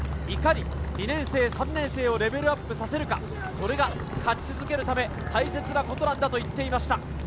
いかに２年生、３年生をレベルアップさせるか、それが勝ち続けるため大切なことだと言っていました。